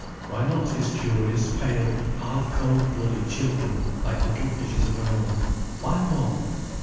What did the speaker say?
Why not his curious, pale, half cold blooded children, like little fishes of her own? Why not?